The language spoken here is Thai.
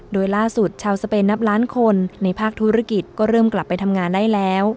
โดยล่าสุดชาวสเปนนับล้านคนในภาคธุรกิจก็เริ่มกลับไปทำงานได้แล้ว